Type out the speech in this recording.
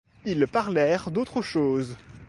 Ils parlèrent d’autre chose.